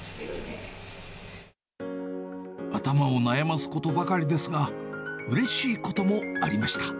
頭を悩ますことばかりですが、うれしいこともありました。